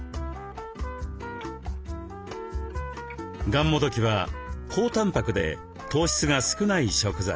がんもどきは高たんぱくで糖質が少ない食材。